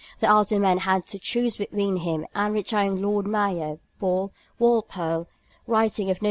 The Aldermen had to choose between him and the retiring Lord Mayor, Bull. Walpole, writing of Nov.